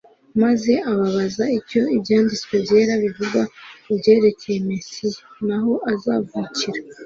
maze ababaza icyo Ibyanditswe Byera bivuga ku byerekcye Mesiya, naho azavukira.